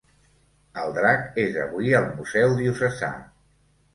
El drac és avui al Museu Diocesà.